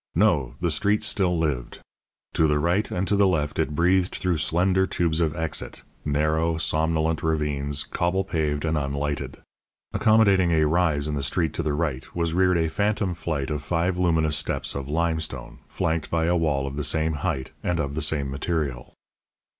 No the street still lived! To the right and to the left it breathed through slender tubes of exit narrow, somnolent ravines, cobble paved and unlighted. Accommodating a rise in the street to the right was reared a phantom flight of five luminous steps of limestone, flanked by a wall of the same height and of the same material.